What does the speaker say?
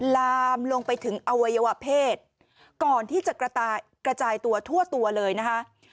ลามลงไปถึงอวัยวะเพศก่อนที่จะกระจายตัวทั่วตัวเลยนะคะ